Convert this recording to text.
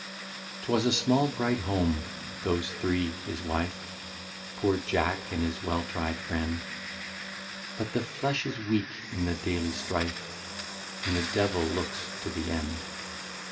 'T WAS a small bright home, — those three, his wife. Poor Jack, and his well tried friend ; But the flesh is weak in the daily strife, And the Devil looks to the end.